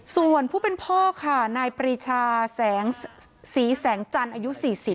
ส่วนผู้เป็นพ่อค่ะนายปรีชาแสงสีแสงจันทร์อายุ๔๐